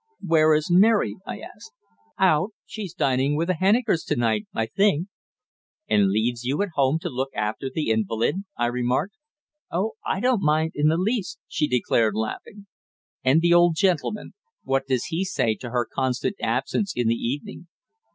"Where is Mary?" I asked. "Out. She's dining with the Hennikers to night, I think." "And leaves you at home to look after the invalid?" I remarked. "Oh, I don't mind in the least," she declared, laughing. "And the old gentleman? What does he say to her constant absence in the evening?"